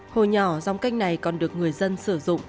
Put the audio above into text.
hồi nhỏ dòng kênh này còn được người dân sử dụng